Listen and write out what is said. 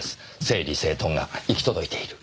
整理整頓が行き届いている。